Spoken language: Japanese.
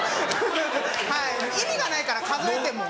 意味がないから数えても。